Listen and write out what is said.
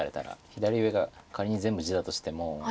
左上が仮に全部地だとしても。